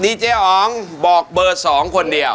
เจ๊อ๋องบอกเบอร์๒คนเดียว